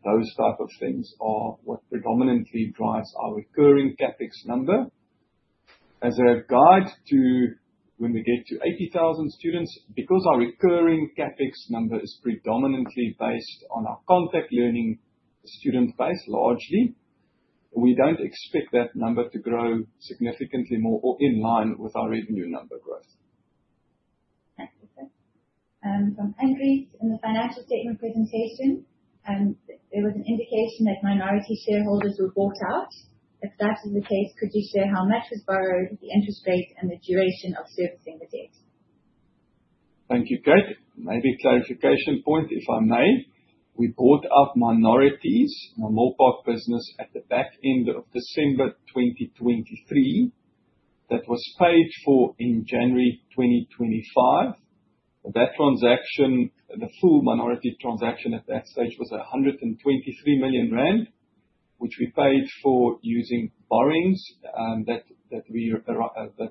Those type of things are what predominantly drives our recurring CapEx number. As a guide to when we get to 80,000 students, because our recurring CapEx number is predominantly based on our contact learning student base, largely, we don't expect that number to grow significantly more or in line with our revenue number growth. Thank you, Ishak. From Andre, in the financial statement presentation, there was an indication that minority shareholders were bought out. If that is the case, could you share how much was borrowed, the interest rate, and the duration of servicing the debt? Thank you, Kate. Maybe a clarification point, if I may. We bought out minorities in our Milpark business at the back end of December 2023. That was paid for in January 2024. That transaction, the full minority transaction at that stage was 123 million rand, which we paid for using borrowings that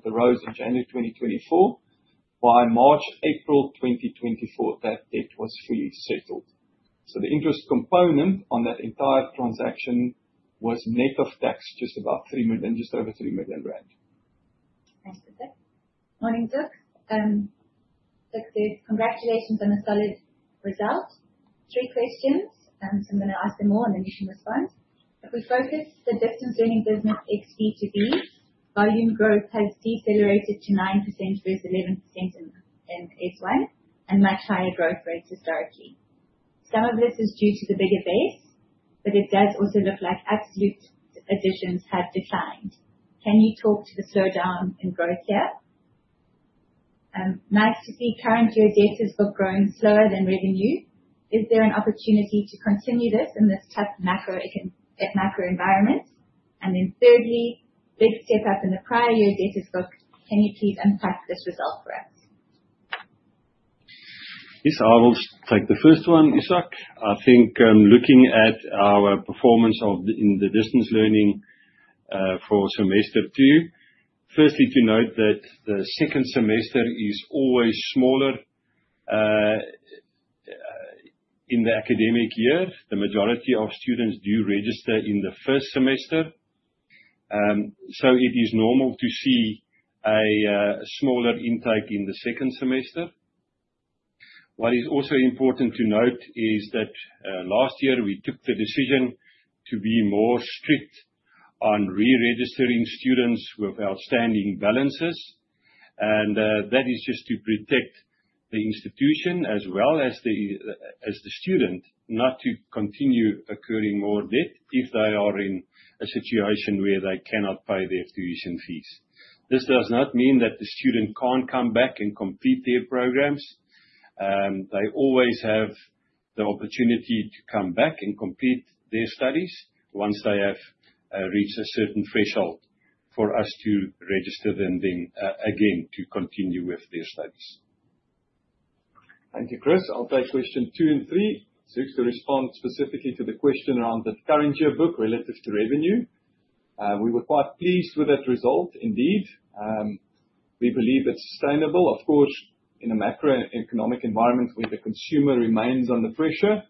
arose in January 2024. By March, April 2024, that debt was fully settled. The interest component on that entire transaction was net of tax, just over 3 million rand. Thanks, Ishak. Morning, Zuk. Zuk, congratulations on the solid result. Three questions. I'm going to ask them all and then you can respond. If we focus the distance learning business ex B2B, volume growth has decelerated to 9% versus 11% in S1, and much higher growth rates historically. Some of this is due to the bigger base, but it does also look like absolute additions have declined. Can you talk to the slowdown in growth here? Nice to see current year debtors have grown slower than revenue. Is there an opportunity to continue this in this type of macro environment? Thirdly, big step up in the prior year debtors book. Can you please unpack this result for us? Yes. I will take the first one, Ishak. I think looking at our performance in the distance learning for semester 2. Firstly, to note that the second semester is always smaller in the academic year. The majority of students do register in the first semester. It is normal to see a smaller intake in the second semester. What is also important to note is that, last year, we took the decision to be more strict on reregistering students with outstanding balances. That is just to protect the institution as well as the student, not to continue accruing more debt if they are in a situation where they cannot pay their tuition fees. This does not mean that the student can't come back and complete their programs. They always have the opportunity to come back and complete their studies once they have reached a certain threshold for us to register them again to continue with their studies. Thank you, Chris. I'll take question two and three. To respond specifically to the question around that current year book relative to revenue, we were quite pleased with that result, indeed. We believe it's sustainable. Of course, in a macroeconomic environment where the consumer remains under pressure,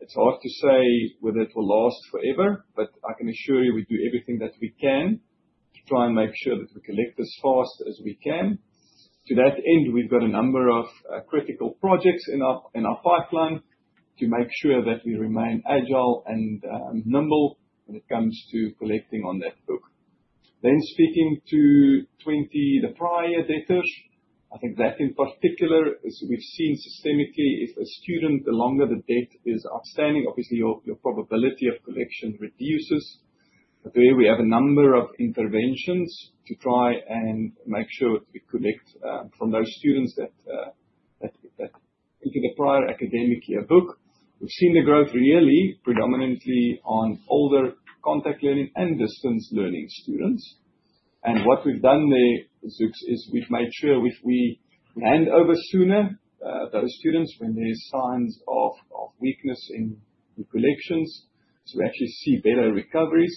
it's hard to say whether it will last forever, but I can assure you we do everything that we can to try and make sure that we collect as fast as we can. To that end, we've got a number of critical projects in our pipeline to make sure that we remain agile and nimble when it comes to collecting on that book. Speaking to the prior debtors, I think that in particular, as we've seen systemically, if a student, the longer the debt is outstanding, obviously your probability of collection reduces. There we have a number of interventions to try and make sure that we collect from those students that, looking at the prior academic year book, we've seen the growth really predominantly on older contact learning and distance learning students. What we've done there, Zuks, is we've made sure if we hand over sooner those students when there is signs of weakness in the collections, we actually see better recoveries.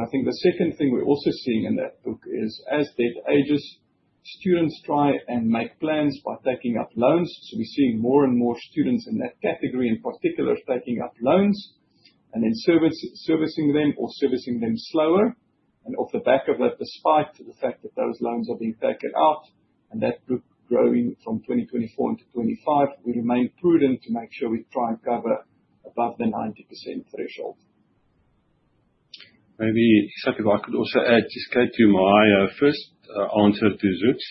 I think the second thing we're also seeing in that book is, as debt ages, students try and make plans by taking up loans. We're seeing more and more students in that category, in particular, taking up loans and then servicing them or servicing them slower. Off the back of that, despite the fact that those loans are being taken out and that group growing from 2024 into 2025, we remain prudent to make sure we try and cover above the 90% threshold. Maybe, Ishak, if I could also add, just to my first answer to Zuks.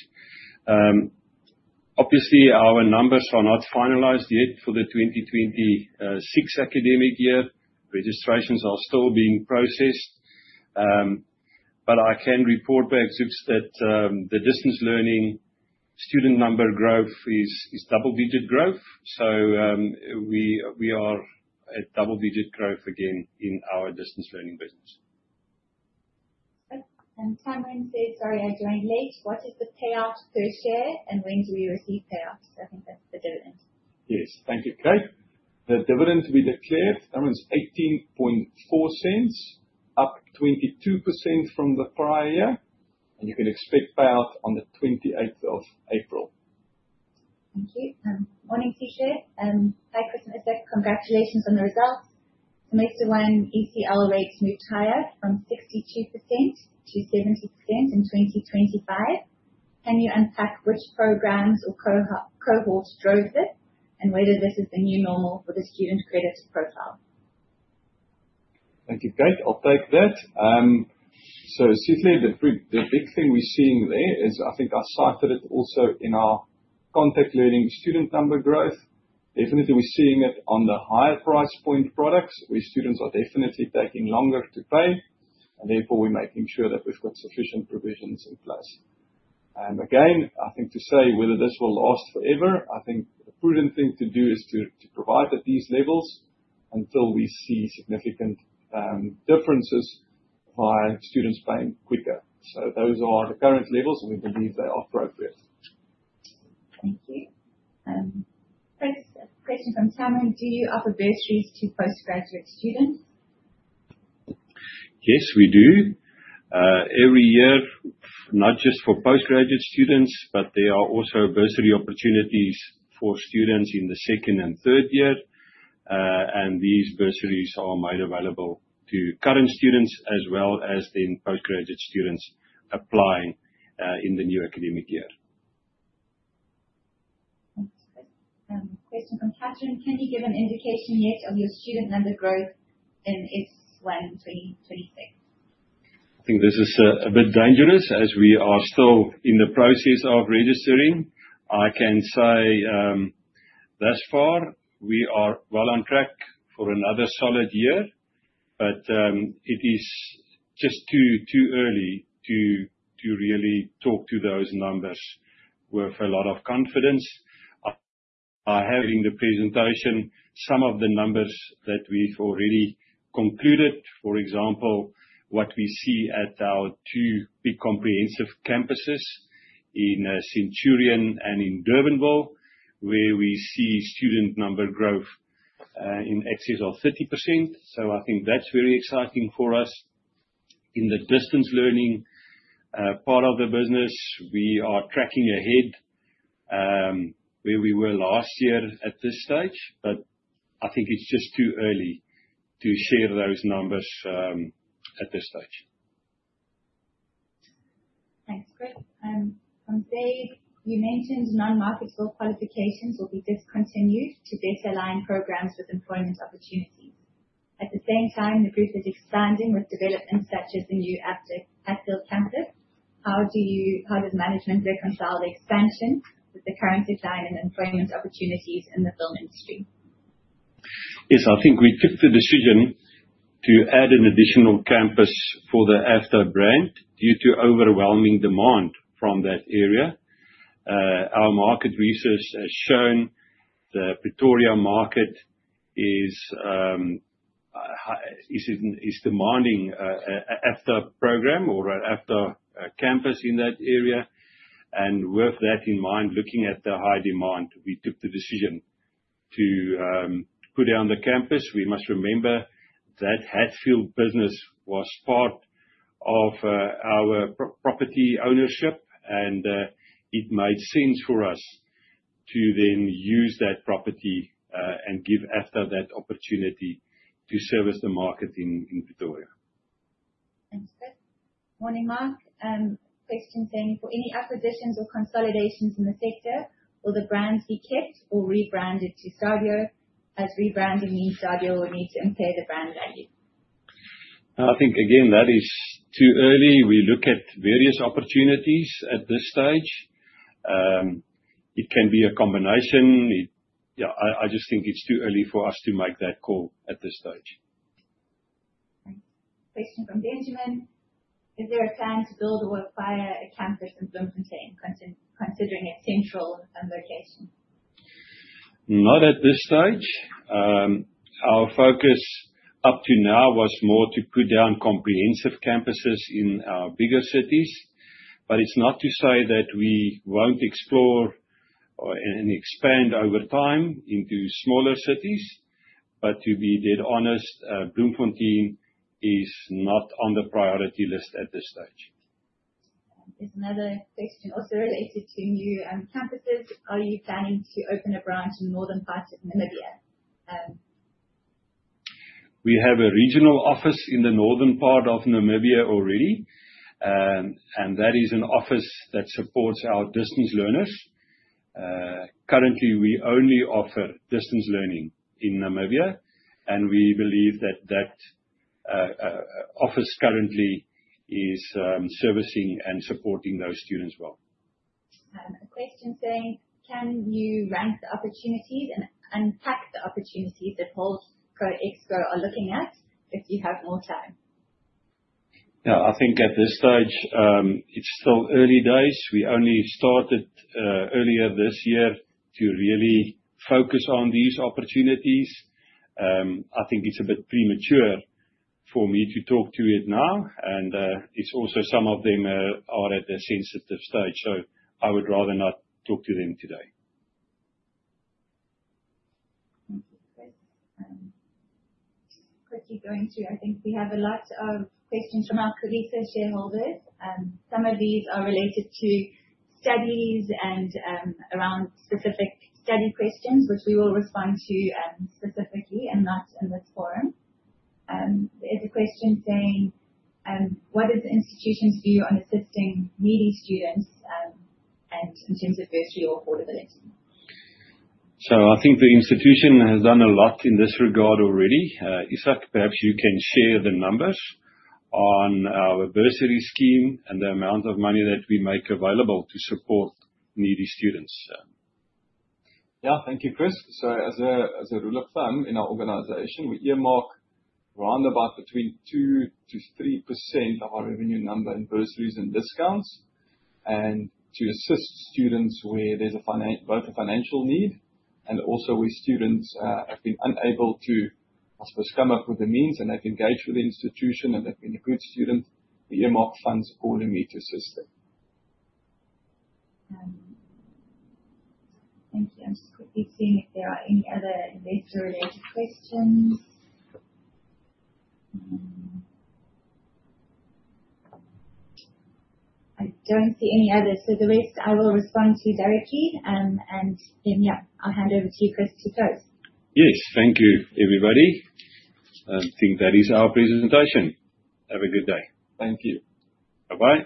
Obviously, our numbers are not finalized yet for the 2026 academic year. Registrations are still being processed. I can report back, Zuks, that the distance learning student number growth is double-digit growth. We are at double-digit growth again in our distance learning business. Okay. Cameron says, "Sorry I joined late. What is the payout per share and when do we receive payout?" I think that's the dividend. Yes. Thank you, Kate. The dividend to be declared amounts to 0.184, up 22% from the prior year. You can expect payout on the 28th of April. Thank you. Morning, Sishe. Hi, Chris and Ishak. Congratulations on the results. Semester one ECL rates moved higher from 62%-70% in 2025. Can you unpack which programs or cohorts drove this, and whether this is the new normal for the student credits profile? Thank you. Kate. I'll take that. Sishe, the big thing we're seeing there is, I think I cited it also in our contact learning student number growth. Definitely, we're seeing it on the higher price point products, where students are definitely taking longer to pay, and therefore we've got sufficient provisions in place. Again, I think to say whether this will last forever, I think the prudent thing to do is to provide at these levels until we see significant differences by students paying quicker. Those are the current levels, and we believe they are appropriate. Thank you. Chris, a question from Simon: do you offer bursaries to postgraduate students? Yes, we do. Every year, not just for postgraduate students, but there are also bursary opportunities for students in the second and third year. These bursaries are made available to current students as well as the postgraduate students applying in the new academic year. Thanks, Chris. Question from Catherine: can you give an indication yet of your student number growth in FY 2026? I think this is a bit dangerous as we are still in the process of registering. I can say thus far, we are well on track for another solid year. It is just too early to really talk to those numbers with a lot of confidence. I have in the presentation some of the numbers that we've already concluded, for example, what we see at our two big comprehensive campuses in Centurion and in Durbanville, where we see student number growth in excess of 30%. I think that's very exciting for us. In the distance learning part of the business, we are tracking ahead where we were last year at this stage. I think it's just too early to share those numbers at this stage. Thanks, Chris. From Dave: you mentioned non-marketable qualifications will be discontinued to better align programs with employment opportunities. At the same time, the group is expanding with developments such as the new Hatfield campus. How does management reconcile the expansion with the current decline in employment opportunities in the film industry? Yes, I think we took the decision to add an additional campus for the AFDA brand due to overwhelming demand from that area. Our market research has shown the Pretoria market is demanding AFDA program or AFDA campus in that area. With that in mind, looking at the high demand, we took the decision to put down the campus. We must remember that Hatfield business was part of our property ownership, it made sense for us to then use that property, give AFDA that opportunity to service the market in Pretoria. Thanks, Chris. Morning, Mark. Question saying: for any acquisitions or consolidations in the sector, will the brands be kept or rebranded to Stadio, as rebranding means Stadio will need to impair the brand value? I think, again, that is too early. We look at various opportunities at this stage. It can be a combination. I just think it's too early for us to make that call at this stage. Right. Question from Benjamin: is there a plan to build or acquire a campus in Bloemfontein, considering its central location? Not at this stage. Our focus up to now was more to put down comprehensive campuses in our bigger cities. It's not to say that we won't explore and expand over time into smaller cities. To be dead honest, Bloemfontein is not on the priority list at this stage. There's another question also related to new campuses. Are you planning to open a branch in northern parts of Namibia? We have a regional office in the northern part of Namibia already. That is an office that supports our distance learners. Currently, we only offer distance learning in Namibia, and we believe that that office currently is servicing and supporting those students well. A question saying: can you rank the opportunities and unpack the opportunities that Pro Exco are looking at if you have more time? Yeah, I think at this stage, it's still early days. We only started earlier this year to really focus on these opportunities. I think it's a bit premature for me to talk to it now. It's also some of them are at a sensitive stage, so I would rather not talk to them today. Thank you, Chris. Just quickly going through. I think we have a lot of questions from our Calista shareholders. Some of these are related to studies and around specific study questions, which we will respond to specifically and not in this forum. There is a question saying: what is the institution's view on assisting needy students, and in terms of bursary or affordability? I think the institution has done a lot in this regard already. Ishak, perhaps you can share the numbers on our bursary scheme and the amount of money that we make available to support needy students. Thank you, Chris. As a rule of thumb in our organization, we earmark round about between 2% to 3% of our revenue number in bursaries and discounts and to assist students where there is both a financial need and also where students have been unable to, I suppose, come up with the means and have engaged with the institution and have been a good student. We earmark funds accordingly to assist them. Thank you. I am just quickly seeing if there are any other investor-related questions. I do not see any others, so the rest I will respond to directly. I will hand over to you, Chris, to close. Yes. Thank you, everybody. I think that is our presentation. Have a good day. Thank you. Bye-bye.